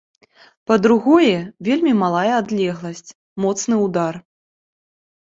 Па-другое, вельмі малая адлегласць, моцны ўдар.